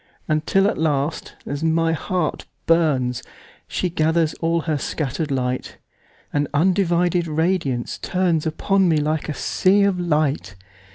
Until at last, as my heart burns, She gathers all her scatter'd light, And undivided radiance turnsUpon me like a sea of light.